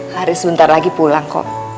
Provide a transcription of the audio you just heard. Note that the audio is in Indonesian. haris bentar lagi pulang kok